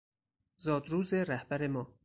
زاد روز رهبر ما